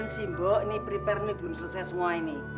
iya simbok ini prepare nih belum selesai semua ini